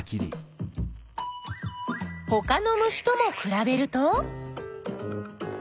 ほかの虫ともくらべると？